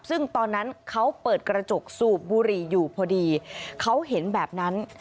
ซึ่งตอนนั้นเขาเปิดกระจกสูบบุหรี่อยู่พอดีเขาเห็นแบบนั้น